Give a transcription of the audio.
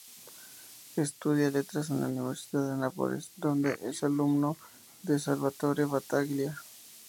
Estudia letras en la Universidad de Nápoles, donde es alumno de Salvatore Battaglia.